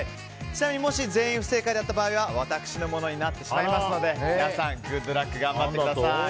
ちなみにもし全員が不正解だった場合は私のものになってしまいますので皆さん、グッドラック頑張ってください！